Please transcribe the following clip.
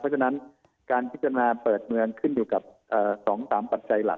เพราะฉะนั้นการพิจารณาเปิดเมืองขึ้นอยู่กับ๒๓ปัจจัยหลัก